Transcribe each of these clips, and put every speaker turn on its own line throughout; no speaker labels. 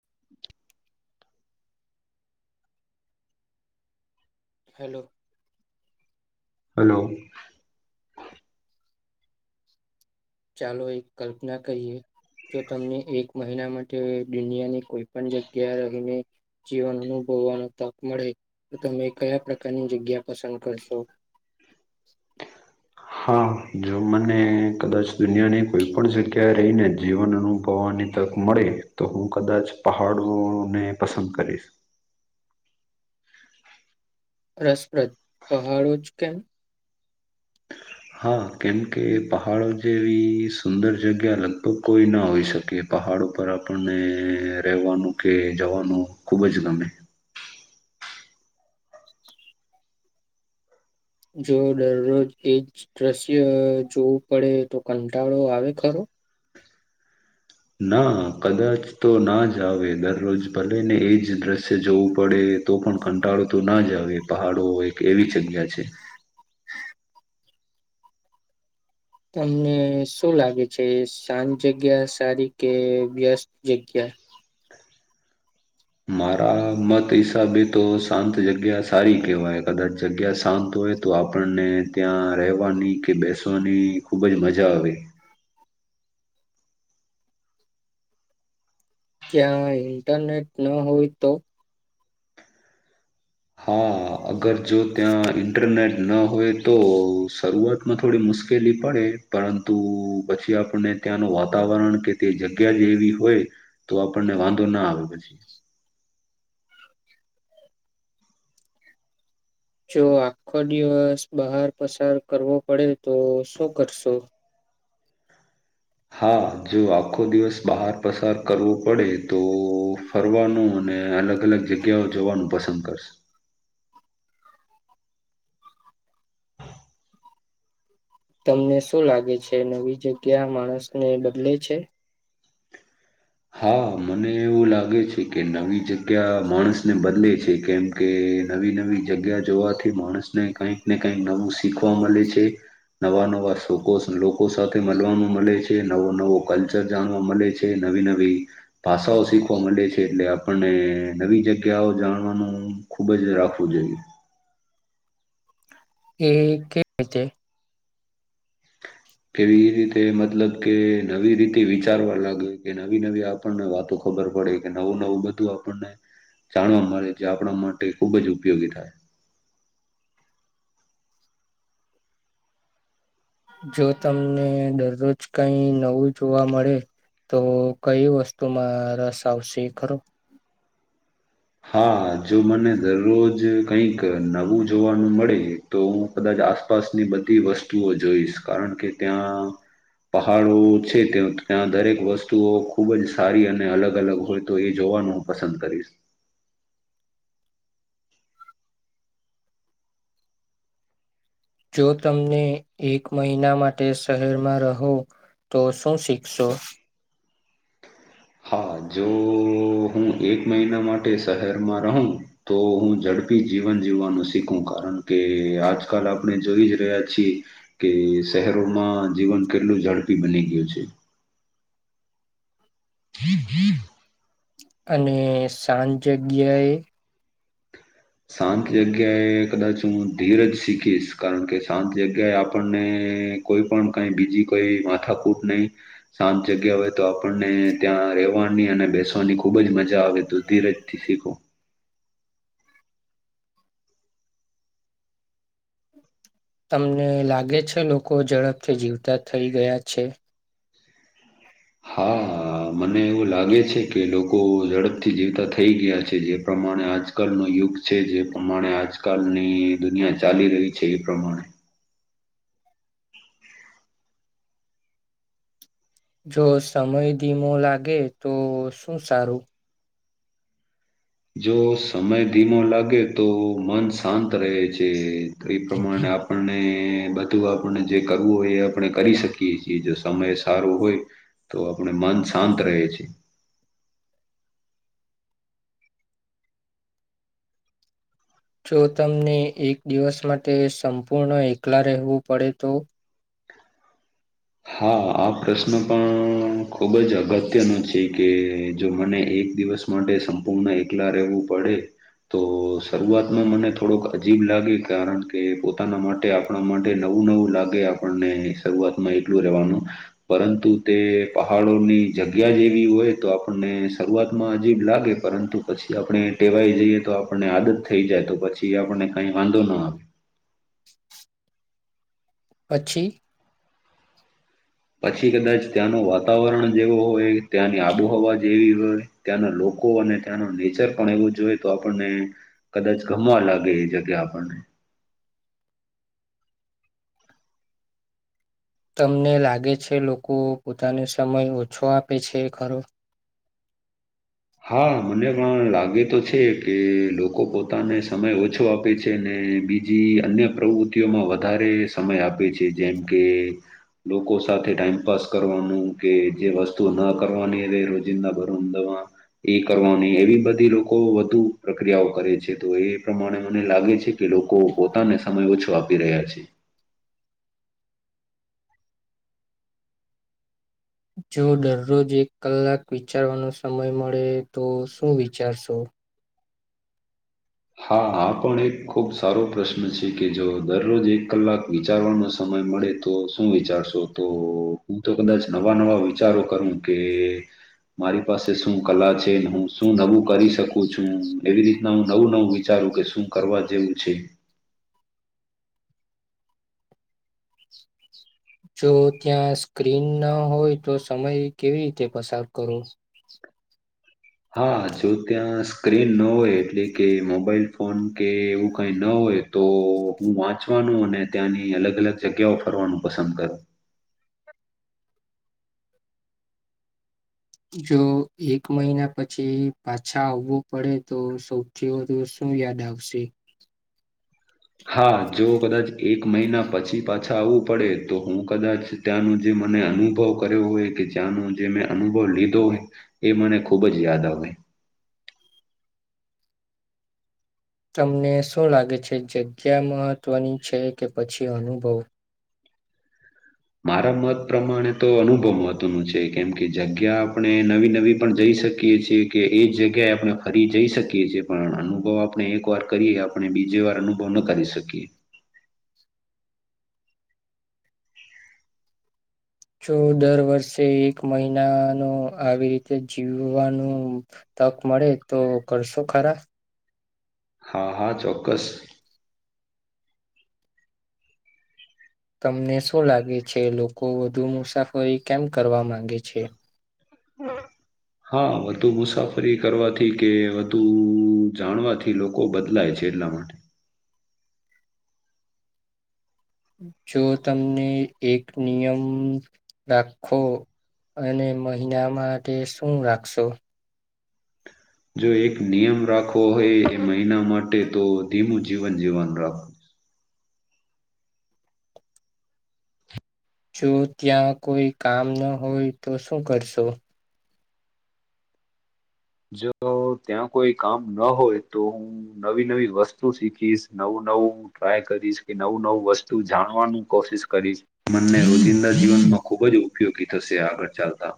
[inaudible]
Hello.
Hello.
ચાલો એક કલ્પના કહીએ. જો તમને એક મહિના માટે દુનિયાની કોઈ પણ જગ્યા રહીને જીવન અનુભવ હોવા તક મળે તો તમે કયા પ્રકારની જગ્યા પસંદ કરશો?
[inaudible] હા જો મને કદાચ દુનિયાની કોઈ પણ જગ્યાએ જઈને જીવન અનુભવવાની તક મળે તો હું કદાચ પહાડોને પસંદ કરીશ. [inaudible]
રસપ્રદ. પહાડો જ કેમ?
[unintelligible] હા કેમકે એ પહાડો જેવી સુંદર જગ્યા લગભગ કોઈ ના હોઈ શકે પહા પહાડો ઉપર આપણને રહેવાનું કે જવાનું ખૂબ જ ગમે.
જો દરરોજ એજ દ્રશ્ય જોવું પડે તો કંટાળો આવે ખરો.
ના કદાચ તો ના જ આવે દરરોજ ભલે ને એ જ દ્રશ્ય જોવું પડે. તો પણ કંટાળો તો ના જ આવે પહાડો એક એવી જગ્યા છે.
તમને શું લાગે છે શાંત જગ્યા સારી કે વ્યસ્ત જગ્યા.
હ [unintelligible] મારા મત હિસાબે તો શાંત જગ્યા સારી કહેવાય કદાચ જગ્યા શાંત હોય તો આપણને ત્યાં રહેવાની કે બેસવાની ખૂબ જ મજા આવે
ક્યાં ઇન્ટરનેટ ન હોય તો
હા અગર જો ત્યાં ઇન્ટરનેટ ન હોય તો શરૂઆત માં થોડી મુશ્કેલી પડે પરંતુ પછી આપણને ત્યાંનું વાતાવરણ કે તે જગ્યા વી હોય તો આપણને વાંધો ના આવે પછી
જો આખો દિવસ બહાર પસાર કરવો પડે તો શું કરશો
હા જો આખો દિવસ બહાર પસાર કરવો પડે તો ફરવાનો અને અને અલગ અલગ જગ્યાઓ જોવાનું પસંદ કરશે
તમને શું લાગે છે નવી જગ્યા માણસને બદલે છે
હા મને એવું લાગે છે કે નવી જગ્યા માણસને બદલે છે કેમ કે કે નવી નવી જગ્યા જોવાથી માણસને કઈક ને કઈક નવું શીખવા મળે છે નવા નવા શ લોકો સાથે મળવાવામાં મળે છે નવો નવો કલ્ચર જાણવા મળે છે નવી નવી ભાષાઓ શીખવા મળે છે એટલે આપણને નવી જગ્યાઓ જાણવાનું ખૂબ જ- - રાખવું જોઈએ.
એ કેતે- -
કેવી એ રીતે મતલબ કે નવી રીતે વિચારવા લાગે કે નવી નવી આપણને વાતો- - ખબર પડે કે નવું નવું બધું આપણને- - જાણવા મળે છે આપણા માટે ખૂબ જ ઉપયોગી થાય.
જો તમને દરરોજ કઈ નવું જોવા મળે- - તો કઈ વસ્તુમાં રસ આવશે ખરો?
[inaudible] હા જો મને દરરોજ કંઈક નવું જોવાનું મળે તો હું કદાચ- - આસપાસની બધી વસ્તુઓ જોઈશ કારણ કે ત્યાં- - પહાડો છે ત ત્યાં દરેક વસ્તુઓ ખૂબ જ સારી અને- - ને અલગ અલગ હોય તો એ જોવાનું હું પસંદ કરીશ.
જો તમને એક મહિના માટે શહેરમાં રહો- - તો શું શીખશો?
હા- - જો હું એક મહિના માટે શહેરમાં રહું તો હું ઝડપી જીવન- - જીવવાનું શીખું કારણ કે આજ કાલ આપણે જોઈ જ રહ્યા છીએ કે શહેરોમાં- - જીવન કેટલું ઝડપી બની ગયું છે. [inaudible]
અને સાંજ જગ્યાએ?
શાંત જગ્યાએ કદાચ હું ધીર જ શીખીશ કારણ કે શાંત જગ્યાએ આપણને- - કોઈ પણ કઈ બીજી કોઈ માથાકૂટ નહી શાંત જગ્યા હોય તો આપણને ત્યાં- - ર રહેવાની અને બેસવાની ખુબ જ મજા આવે તો ધીરજથી શીખો.
તમને લાગે છે લોકો ઝડપથી જીવતા થઈ ગયા છે?
હા. આ મને એવું લાગે છે કે લોકો ઝડપથી જીવતા થઈ ગયા છે જે પ્રમાણે આજકાલ- - ન યુગ છે જે પ્રમાણે આજકાલની દુનિયા ચાલી રહી છે એ પ્રમાણે- -
જો સમય ધીમો લાગે તો શું સારું?
જો સમય ધીમો લાગે તો મન શાંત રહે છે એ પ્રમાણે- - આપણને બધું આપણને જે કરવું હોય એ આપણે કરી શકીએ છીએ જો સમય સારો હોય- - તો આપણે મન શાંત રહે છે.
જો તમને એક દિવસ માટે સંપૂર્ણ એકલા રહેવું પડે તો?
હા આ પ્રશ્ન પણ ખુબ જ અગત્યનો છે કે જો મને એ- - એક દિવસ માટે સંપૂર્ણ એકલા રહેવું પડે- - તો શરૂઆતમાં મને થોડોક અજીબ લાગે કારણ કે પોતાના માટે આપણા માટે નવ- - નવું નવું લાગે આપણને શરૂઆતમાં એક વાનું પરંતુ તે પહાડોની જગ્યા જેવી હોય તો આપણને શરૂઆત અજીબ લાગે પરંતુ પછી આપણે ટેવાઈ જઈએ તો આપણને આદત થઈ જાય તો પછી આપણને કઈ વાંધો ન આવે
પછી?
પછી કદાચ ત્યાંનું વાતાવરણ જેવું હોય ત્યાંની આબોહવા જેવી હોય ત્યાંના લોકો અને ત્યાંનો નેચર પણ એવું જોઈ તો આપણને કદાચ ગમવા લાગે એ જગ્યા આપણને.
તમને લાગે છે લોકો પોતાને સમય ઓછો આપે છે ખરો?
હા મને પણ લાગે તો છે કે લોકો પોતાને સમય ઓછો આપે છે ને અને બીજી અન્ય પ્રવૃત્તિઓમાં વધારે સમય આપે છે જેમ કે લોકો સાથે ટાઈમપાસ કરવાનું કે જે વસ્તુ ના કરવાની હવે રોજિંદા ભરમ દાવા એ કરવાની એવી બધી લોકો વધુ પ્રક્રિયાઓ કરે છે તો એ પ્રમાણે મને લાગે છે કે લોકો લોકો પોતાને સમય ઓછો આપી રહ્યા છે.
જો દરરોજ એક કલાક વિચારવાનો સમય મળે તો શું વિચારશો?
હા આ પણ એક ખૂબ સારો પ્રશ્ન છે કે જો દરરોજ એક કલાક વિચારવાનો સમય મળે તો શું વિચારશો તો હું તો કદાચ નવા નવા વિચારો કરું કે મારી પાસે શું કલા છે હું શું નવું કરી શકું છું એવી રીતના હું નવું નવું વિચારું કે શું કરવા જેવું છે
જો ત્યાં સ્ક્રીન ન હોય તો સમય કેવી રીતે પસાર કરો?
હા જો ત્યાં સ્ક્રીન ન હોય એટલે કે મોબાઈલ ફોન કે એવું કઈ ન હોય હોય તો હું વાંચવાનું અને ત્યાંની અલગ અલગ જગ્યાઓ ફરવાનું પસંદ કરું. [unintelligible]
જો એક મહિના પછી પાછા આવવું પડે તો સૌથી વધુ શું શું યાદ આવશે?
[unintelligible] હા જો કદાચ એક મહિના પછી પાછા આવવું પડે તો હું કદાચ ત્યાંનું જે મને અનુભવ કર્યો હોય કે જ્યાં નો જે મેં અનુભવ લીધો હોય એ મને ખૂબ જ યાદ આવે.
તમને શું લાગે છે જગ્યા મહત્ત્વની છે કે પછી અનુભવ?
મારા મત પ્રમાણે તો અનુભવ મહત્વનું છે કેમ કે જગ્યા આપણે નવી નવી પણ જઈ શકીએ છીએ કે એ જગ્યાએ આપણે ફરી જઈ શકીએ છીએ પણ અનુભવ આપણે એક વાર કરીએ આપણે બીજે વાર અનુભવ ન કરી શકીએ.
જો દર વર્ષે એક મહિનાનું આવી રીતે જીવવાનું તક મળે તો કરશો ખરા?
હા હા ચોક્કસ.
તમને શું લાગે છે લોકો વધુ મુસાફરી કેમ કરવા માંગે છે?
હા હા વધુ મુસાફરી કરવાથી કે વધુ જાણવાથી લોકો બદલાય છે એટલા માટે
જો તમને એક નિયમ રાખો. અને મહિના માટે શું રાખશો?
જો એક નિયમ રાખવો હોય એ મહિના માટે તો ધીમું જીવન જીવવાનું રાખવું.
જો ત્યાં કોઈ કામ ન હોય તો શું કરશો?
જો ત્યાં કોઈ કામ ન હોય તો હું નવી નવી વસ્તુ શીખીશ નવું ટ્રાય કરીશ કે નવું નવું વસ્તુ જાણવાનું કોશિશ કરીશ મને રોજિંદા જીવન માં ખુબ જ ઉપયોગી થશે આગળ ચાલતા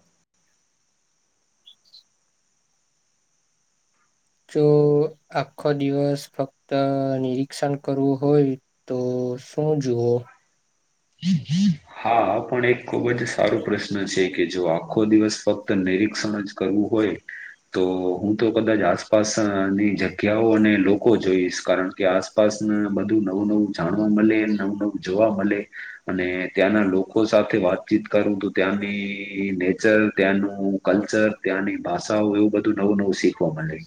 જો આખો દિવસ ફક્ત નિરીક્ષણ કરવું હોય તો? તો શું જુઓ?
હા આ પણ એક ખુબ જ સારો પ્રશ્ન છે કે જો આખો દિવસ ફક્ત નિરીક્ષણ જ કરવું હોય તો હું તો કદાચ આસપાસ ની જગ્યાઓ અને લોકો જોઈશ, કારણ કે આસપાસ [unintelligible] બધું નવું નવું જાણવા મલે નવું નવું જોવા મલે. અને ત્યાંના લોકો સાથે વાતચીત કરું તો ત્યાની નેચર ત્યાનું કલ્ચર, ત્યાંની ભાષાઓ એવું બધું નવું નવું સીખવા મલે.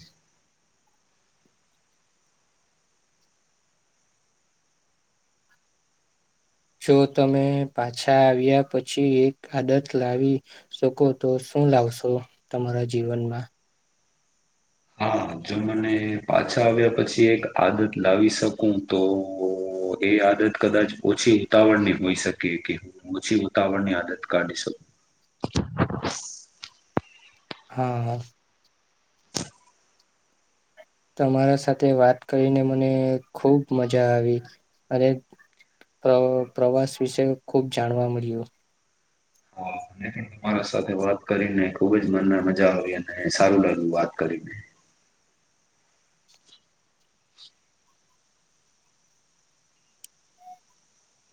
જો તમે પાછા આવ્યા પછી એક આદત લાવી શકો તો શું લાવશો તમારા જીવનમાં?
હા જો મને પાછા આવ્યા પછી એક આદત લાવી શકું તો ઓ એ આદત કદાચ ઓછી ઉતાવળ ની હોઈ શકે કે હું ઓછી ઉતાવળ ની આદત કાઢી શકુ. [unintelligible]
હા હા. તમારા સાથે વાત કરીને મને ખુબ મજા આવી અને પ્ર પ્રવાસ વિશે ખુબ જાણવા મળ્યું.
હા મને પણ તમારા સાથે વાત કરીને ખુબ જ મનમાં મજા આવી અને સારું લાગ્યું વાત કરી ને.